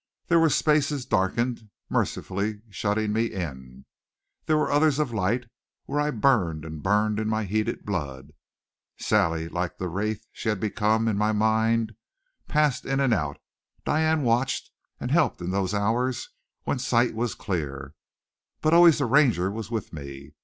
There were spaces darkened, mercifully shutting me in; there were others of light, where I burned and burned in my heated blood. Sally, like the wraith she had become in my mind, passed in and out; Diane watched and helped in those hours when sight was clear. But always the Ranger was with me.